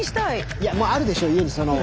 いやもうあるでしょ家にその。